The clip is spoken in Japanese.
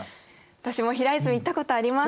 私も平泉行ったことあります。